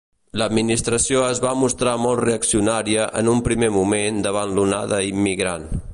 L'administració es va mostrar molt reaccionària en un primer moment davant l'onada immigrant.